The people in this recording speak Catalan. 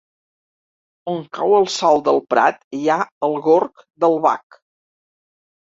On cau el salt del Prat hi ha el gorg del Bac.